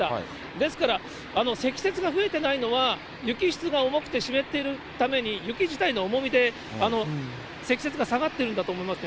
ですから、積雪が増えてないのは、雪質が重くて湿っているために、雪自体の重みで積雪が下がっているんだと思いますね。